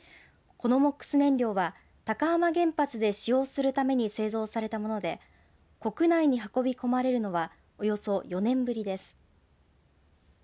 このＭＯＸ燃料は高浜原発で使用するために製造されたもので国内に運び込まれるのはおよそ４年ぶりです。